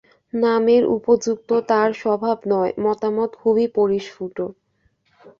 নামের উপযুক্ত তাঁর স্বভাব নয়, মতামত খুবই পরিস্ফুট।